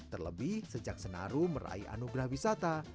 terlebih sejak senaru meraih anugerah wisata